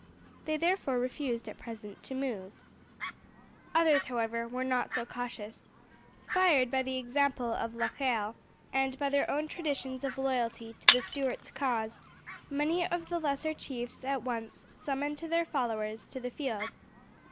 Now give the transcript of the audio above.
They therefore refused at present to move. Others, however, were not so cautious. Fired by the example of Locheil, and by their own traditions of loyalty to the Stuarts' cause, many of the lesser chiefs at once summoned their followers to the field.